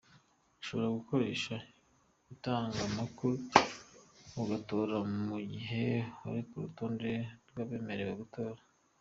Ushobora gukoresha indangamuntu ugatora mu gihe uri ku rutonde rw’abemerewe gutora.